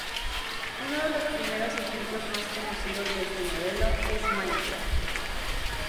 Uno de los primeros ejemplos más conocidos de este modelo es "Minecraft".